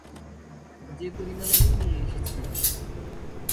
যে পরিমাণ আমি নিয়ে এসেছিলাম।